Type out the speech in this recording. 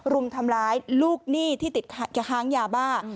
รุมทำร้ายลูกหนี้ที่ติดค้างยาบ้า